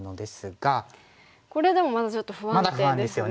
これでもまだちょっと不安定ですよね。